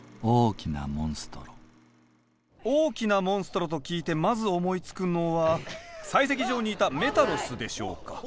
大きなモンストロと聞いてまず思いつくのは採石場にいたメタロスでしょうか。